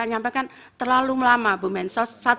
nyampaikan terlalu lama bumensos